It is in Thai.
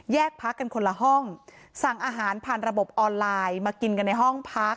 พักกันคนละห้องสั่งอาหารผ่านระบบออนไลน์มากินกันในห้องพัก